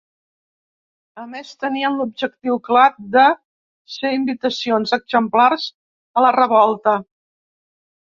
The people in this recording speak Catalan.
A més, tenien l'objectiu clar de ser invitacions "exemplars" a la revolta.